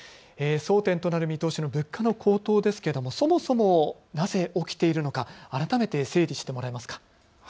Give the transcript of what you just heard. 争点となる見通しの物価の高騰ですがそもそもなぜ起きているのか改めて整理してもらえますか。